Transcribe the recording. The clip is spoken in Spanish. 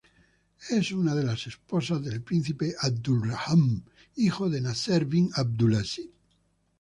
Es una de las esposas del príncipe Abdulrahman, hijo de Nasser bin Abdulaziz.